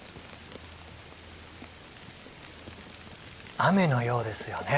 雨のようですよね。